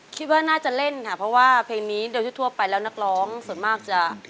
คิดว่าน่าจะเล่นค่ะเพราะว่าเพลงนี้โดยทั่วไปแล้วนักร้องส่วนมากจะ